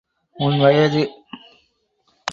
உன் வயது என்னைத் தயங்க வைக்கிறது என்றான்.